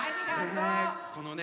このね